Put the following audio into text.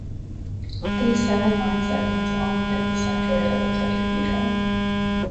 These seven line segments all meet at the "centroid" of the tetrahedron.